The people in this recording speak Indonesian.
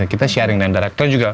kita sharing dengan director juga